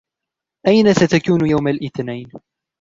أين ستكون يوم الإثنين ؟